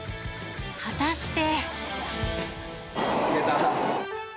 果たして。